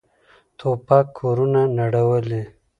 توپک کورونه نړولي.